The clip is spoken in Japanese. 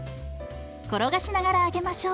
転がしながら揚げましょう。